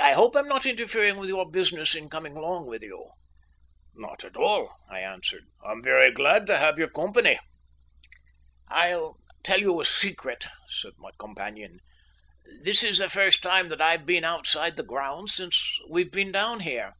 I hope I am not interfering with your business in coming along with you?" "Not at all," I answered, "I am very glad to have your company." "I'll tell you a secret," said my companion. "This is the first time that I have been outside the grounds since we have been down here."